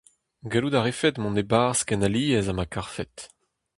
Gallout a refet mont e-barzh ken alies ha ma karfet.